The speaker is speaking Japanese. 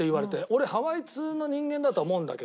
俺ハワイ通の人間だと思うんだけど。